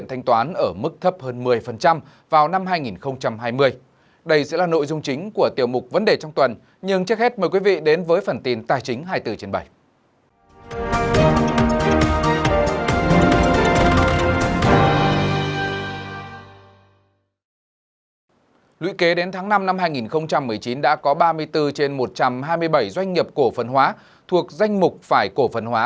tháng năm năm hai nghìn một mươi chín đã có ba mươi bốn trên một trăm hai mươi bảy doanh nghiệp cổ phân hóa thuộc danh mục phải cổ phân hóa